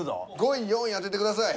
５位４位当ててください。